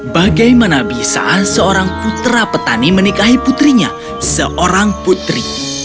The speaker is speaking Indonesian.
bagaimana bisa seorang putra petani menikahi putrinya seorang putri